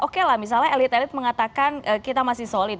oke lah misalnya elit elit mengatakan kita masih solid